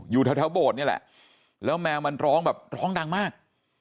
อยู่แถวโบสถ์นี่แหละแล้วแมวมันร้องแบบร้องดังมาก